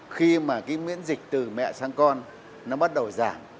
khi mà cái miễn dịch từ mẹ sang con nó bắt đầu giảm